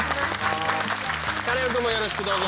カネオくんもよろしくどうぞ。